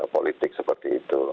politik seperti itu